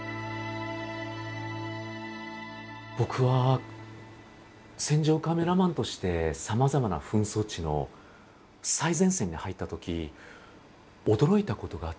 僕は戦場カメラマンとしてさまざまな紛争地の最前線に入ったとき驚いたことがあったんです。